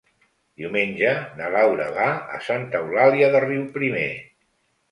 Diumenge na Laura va a Santa Eulàlia de Riuprimer.